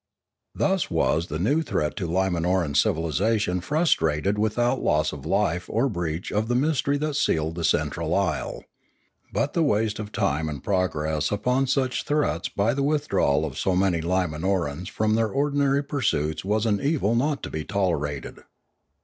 Thus was the new threat to Limanoran civilisation frustrated without loss of life or breach of the mystery that sealed the central isle. But the waste of time and progress upon such threats by the withdrawal of so many Limanorans from their ordinary pursuits was an evil not to be tolerated.